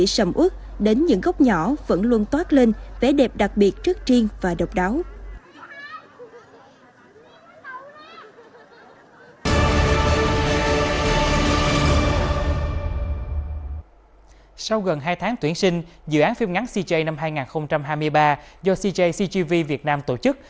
sau gần hai tháng tuyển sinh dự án phim ngắn cj năm hai nghìn hai mươi ba do cj cgv việt nam tổ chức